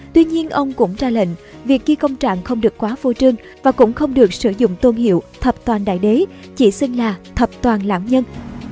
tuy nhiên ông cũng ra lệnh việc ghi công trạng không được quá phô trương và cũng không được sử dụng tôn hiệu thập toàn đại đế chỉ xưng là thập toàn lãm nhân